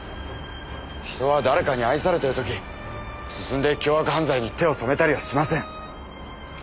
人は誰かに愛されてる時進んで凶悪犯罪に手を染めたりはしません。